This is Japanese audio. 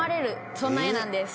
「そんな絵なんです」